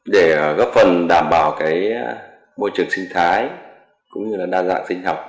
để góp phần đảm bảo môi trường sinh thái cũng như là đa dạng sinh học